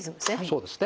そうですね。